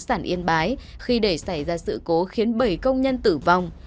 sản yên bái khi để xảy ra sự cố khiến bảy công nhân tử vong